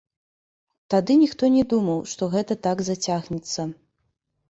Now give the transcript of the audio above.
Тады ніхто не думаў, што гэта так зацягнецца.